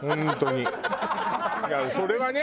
いやそれはね